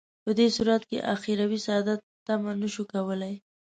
په دې صورت کې اخروي سعادت تمه نه شو لرلای.